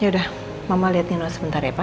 yaudah mama liat nino sebentar ya pak